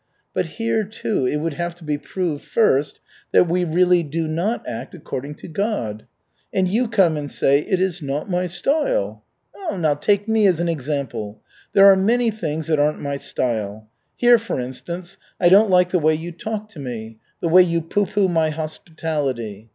But here, too, it would have to be proved first that we really do not act according to God. And you come and say, 'It is not my style.' Now, take me as an example. There are many things that aren't my style. Here, for instance, I don't like the way you talk to me, the way you pooh pooh my hospitality.